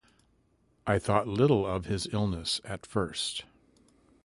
I thought little of his illness at first.